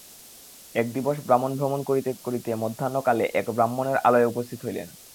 এক দিবস বামন ভ্রমণ করিতে করিতে মধ্যাহ্ন কালে এক ব্রাহ্মণের আলয়ে উপস্থিত হইলেন।